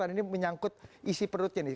dan ini menyangkut isi perutnya nih